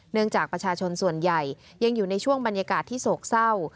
จากประชาชนส่วนใหญ่ยังอยู่ในช่วงบรรยากาศที่โศกเศร้า